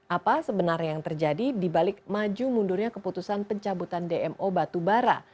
apa sebenarnya yang terjadi dibalik maju mundurnya keputusan pencabutan dmo batubara